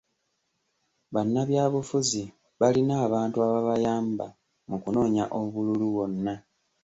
Bannabyabufuzi balina abantu ababayamba mu kunoonya obululu wonna.